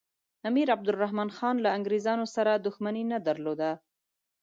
امیر عبدالرحمن خان له انګریزانو سره دښمني نه درلوده.